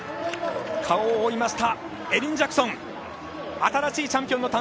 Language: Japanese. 顔を覆いましたエリン・ジャクソン。